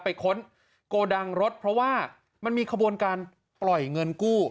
ค้นโกดังรถเพราะว่ามันมีขบวนการปล่อยเงินกู้